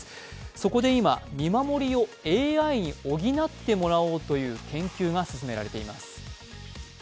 そこで今、見守りをＡＩに補ってもらおうという研究が進められています。